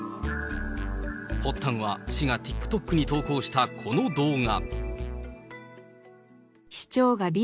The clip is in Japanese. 発端は、市がＴｉｋＴｏｋに投稿したこの動画。